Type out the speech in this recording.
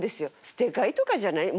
捨て回とかじゃない